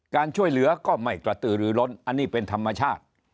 การช่วยเหลือก็ไม่กระตือรือล้นอันนี้เป็นธรรมชาติ